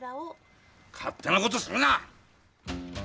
勝手なことするな！